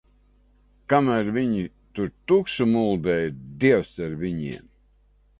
Kamēr viņi tur tukšu muldēja, Dievs ar viņiem!